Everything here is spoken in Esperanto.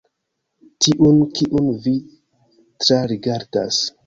Tiun kiun vi trarigardas.